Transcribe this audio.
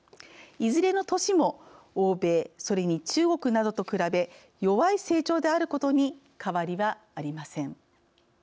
いずれの年も欧米、それに中国などと比べ弱い成長であることに変わりはありません。